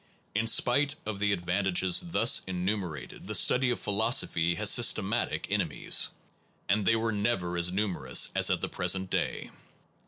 In spite of the advantages thus enumer ated, the study of philosophy has systematic itsene enemies, and they were never as numerous as at the present day.